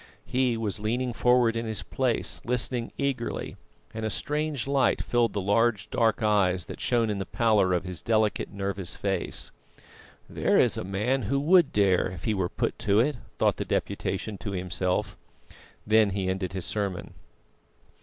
He was leaning forward in his place listening eagerly, and a strange light filled the large, dark eyes that shone in the pallor of his delicate, nervous face. "There is a man who would dare, if he were put to it," thought the Deputation to himself. Then he ended his sermon.